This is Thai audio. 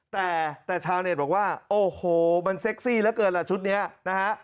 แต่แต่ชาวเน็ตบอกว่าโอ้โหมันเซ็กซี่เหลือเกินล่ะชุดนี้นะฮะ